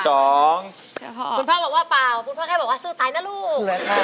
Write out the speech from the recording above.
คุณพ่อบอกว่าเปล่าคุณพ่อแค่บอกว่าสู้ตายนะลูก